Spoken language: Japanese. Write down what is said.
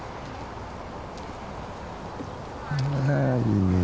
あいいね。